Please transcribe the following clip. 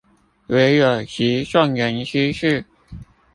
唯有集眾人之智